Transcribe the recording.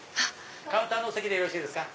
カウンターのお席でよろしいですか？